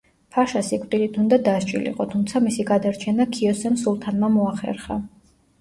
ფაშა სიკვდილით უნდა დასჯილიყო, თუმცა მისი გადარჩენა ქიოსემ სულთანმა მოახერხა.